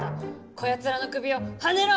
こやつらの首をはねろ！